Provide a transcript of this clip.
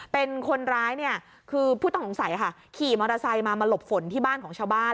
เป็นคนร้ายเนี่ยคือผู้ต้องสงสัยค่ะขี่มอเตอร์ไซค์มามาหลบฝนที่บ้านของชาวบ้าน